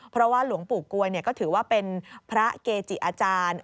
เพราะว่าหลวงปู่กวยก็ถือว่าเป็นพระเกจิอาจารย์